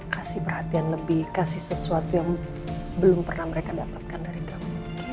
kasih perhatian lebih kasih sesuatu yang belum pernah mereka dapatkan dari kamu